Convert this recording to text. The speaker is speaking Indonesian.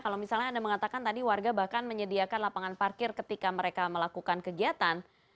kalau misalnya anda mengatakan tadi warga bahkan menyediakan lapangan parkir ketika mereka melakukan kegiatan